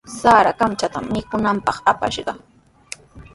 Sara kamchatami mikunanpaq apashqa.